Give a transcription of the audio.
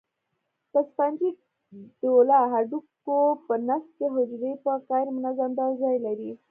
په سفنجي ډوله هډوکو په نسج کې حجرې په غیر منظم ډول ځای لري.